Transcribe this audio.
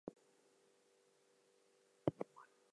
Games are undertaken with the standard competition ball.